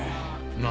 何？